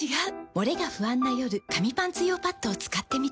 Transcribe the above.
モレが不安な夜紙パンツ用パッドを使ってみた。